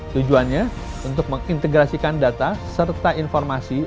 tujuannya untuk mengintegrasikan data serta informasi